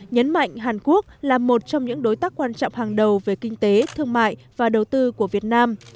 nhấn mạnh hàn quốc là một trong những đối tác quan trọng hàng đầu về kinh tế thương mại và đầu tư của việt nam